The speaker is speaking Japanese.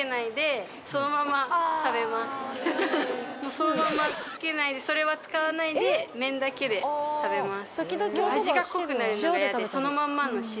そのままつけないでそれは使わないで麺だけで食べます